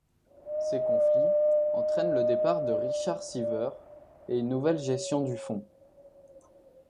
Ces conflits entraine le départ de Richard Seaver et une nouvelle gestion du fonds.